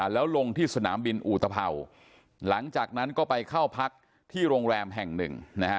แล้วลงที่สนามบินอุตภัวหลังจากนั้นก็ไปเข้าพักที่โรงแรมแห่งหนึ่งนะฮะ